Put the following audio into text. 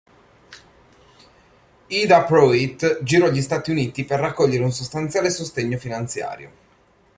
Ida Pruitt girò gli Stati Uniti per raccogliere un sostanziale sostegno finanziario.